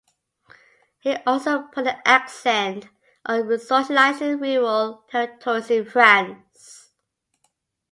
He also put an accent on "resocializing rural territories in France".